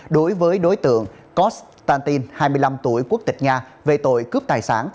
đối với đối tượng kostantin hai mươi năm tuổi quốc tịch nga về tội cướp tài sản